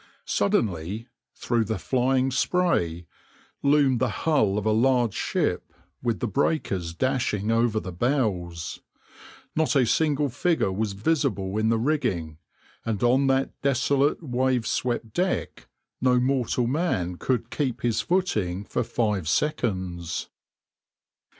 Suddenly, through the flying spray, loomed the hull of a large ship, with the breakers dashing over the bows. Not a single figure was visible in the rigging, and on that desolate, wave swept deck no mortal man could keep his footing for five seconds.